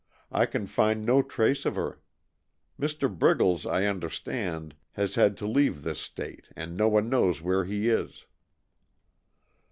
I can find no trace of her. Mr. Briggles, I understand, has had to leave this state and no one knows where he is."